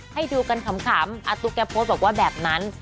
ให้ดูกันขำอาตุ๊กแกโพสต์บอกว่าแบบนั้น